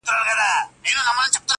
نۀ کنه داسې شاعري راله خوند نه راکوي